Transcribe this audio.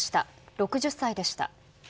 ６０歳でした。